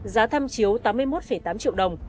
giá thăm chiếu tám mươi một tám triệu đồng